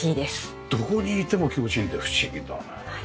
どこにいても気持ちいいんで不思議だねえ。